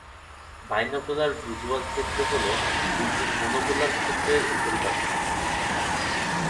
Binocular visual ক্ষেত্র হল দুটি মনোকুলার ক্ষেত্রের উপরিপাতন।